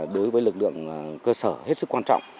đối với lực lượng cơ sở hết sức quan trọng